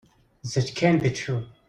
That can't be true.